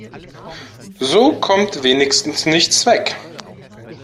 So kommt wenigstens nichts weg.